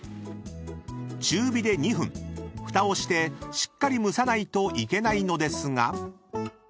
［中火で２分ふたをしてしっかり蒸さないといけないのですが］